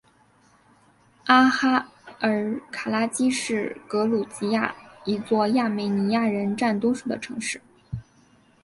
阿哈尔卡拉基是格鲁吉亚一座亚美尼亚人占多数的城市。